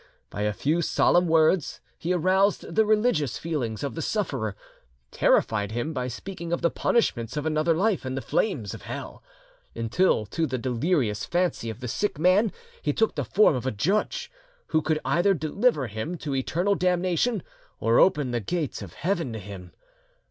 By a few solemn words he aroused the religious feelings of the sufferer, terrified him by speaking of the punishments of another life and the flames of hell, until to the delirious fancy of the sick man he took the form of a judge who could either deliver him to eternal damnation or open the gates of heaven to him.